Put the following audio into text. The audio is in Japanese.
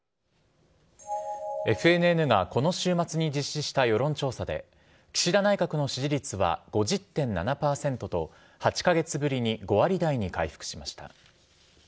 ＦＮＮがこの週末に実施した世論調査で、岸田内閣の支持率は５０．７％と、８か月ぶりに５割台に回復しました。